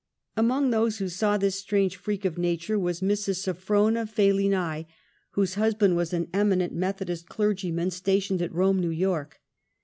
Among those who saw this strange freak of na ture, was Mrs. Safrona Falley N'ye, whose husband was an eminent Methodist clergyman stationed at Rome, ^ew York.